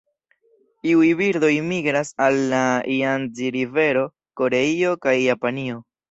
Iuj birdoj migras al la Jangzi-rivero, Koreio, kaj Japanio.